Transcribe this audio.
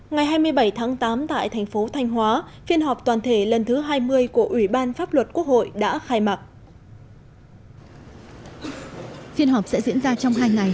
ngày hai mươi bảy tháng tám tại thành phố thanh hóa phiên họp toàn thể lần thứ hai mươi của ủy ban pháp luật quốc hội đã khai mạc